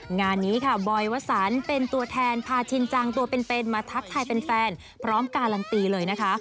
งานนี้ค่ะบอยวสันเป็นตัวแทนพาชินจังตัวเป็นมาทักทายเป็นแฟนพร้อมการันตีเลยนะคะ